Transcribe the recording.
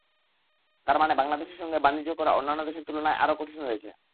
তার মানে বাংলাদেশের সঙ্গে বাণিজ্য করা অন্যান্য দেশের তুলনায় আরও কঠিন হয়েছে।